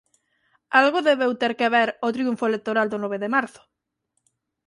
Algo debeu ter que ver o triunfo electoral do nove de marzo.